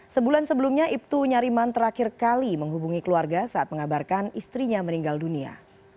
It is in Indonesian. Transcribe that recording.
sebulan sebelumnya ibtu nyariman terakhir kali menghubungi keluarga saat mengabarkan istrinya meninggal dunia